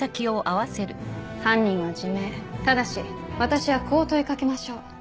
犯人は自明ただし私はこう問い掛けましょう。